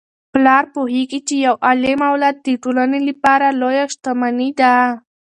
پلار پوهیږي چي یو عالم اولاد د ټولنې لپاره لویه شتمني ده.